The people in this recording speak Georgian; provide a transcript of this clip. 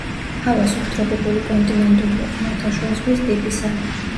ჰავა სუბტროპიკული, კონტინენტურია, ხმელთაშუა ზღვის ტიპისა.